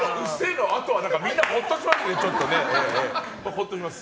のあとはみんなほっとしますね。